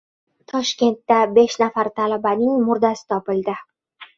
Toshkentda besh nafar talabaning murdasi topildi